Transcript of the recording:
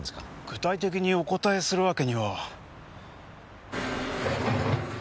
具体的にお答えするわけには。